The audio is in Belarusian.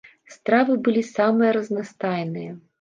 Стравы былі самыя разнастайныя.